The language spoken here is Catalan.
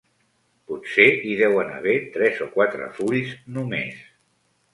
Potser hi deuen haver tres o quatre fulls, només.